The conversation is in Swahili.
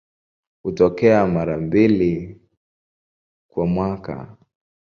Hutokea mara mbili kwa mwaka.